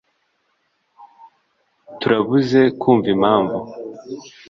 Turabuze kumva impamvu